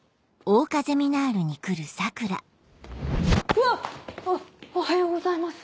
うわっおはようございます。